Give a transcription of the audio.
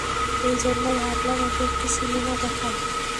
এইজন্য ভাবলাম ওকে একটি, সিনেমা দেখাই।